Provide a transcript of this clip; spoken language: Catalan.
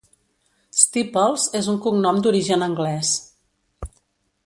Steeples és un cognom d'origen anglès.